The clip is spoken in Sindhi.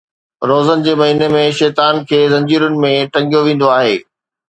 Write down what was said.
روزن جي مهيني ۾ شيطان کي زنجيرن ۾ ٽنگيو ويندو آهي